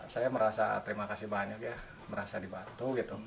saya merasa terima kasih banyak ya merasa dibantu gitu